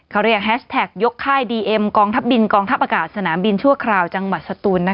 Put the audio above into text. เขาเรียกแฮชแท็กยกค่ายดีเอ็มกองทัพบินกองทัพอากาศสนามบินชั่วคราวจังหวัดสตูน